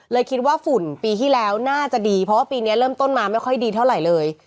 คิดว่าฝุ่นปีที่แล้วน่าจะดีเพราะว่าปีนี้เริ่มต้นมาไม่ค่อยดีเท่าไหร่เลย